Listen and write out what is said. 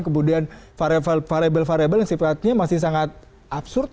kemudian variable variable yang sifatnya masih sangat absurd